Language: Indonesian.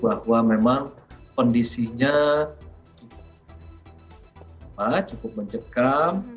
bahwa memang kondisinya cukup mencekam